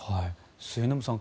末延さん